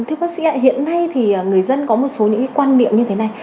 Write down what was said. thưa bác sĩ ạ hiện nay thì người dân có một số những quan niệm như thế này